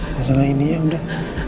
masalah ini ya udah